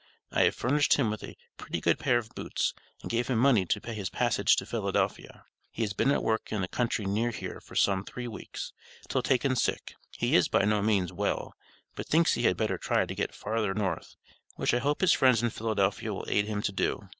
I have furnished him with a pretty good pair of boots, and gave him money to pay his passage to Philadelphia. He has been at work in the country near here for some three weeks, till taken sick; he is, by no means, well, but thinks he had better try to get farther North, which I hope his friends in Philadelphia will aid him to do.